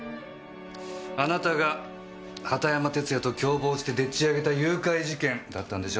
あなたが畑山哲弥と共謀してでっち上げた誘拐事件だったんでしょ？